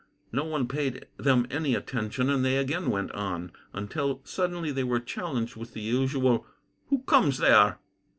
No one paid them any attention, and they again went on, until suddenly they were challenged with the usual "Who comes there?"